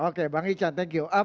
oke bang ican thank you